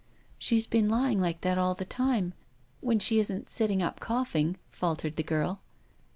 " She's been lying like that all the time — when she isn't sitting up coughing," faltered the girl.